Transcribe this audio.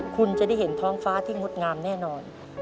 คุณจะได้เห็นท้องฟ้าที่งดงามแน่นอน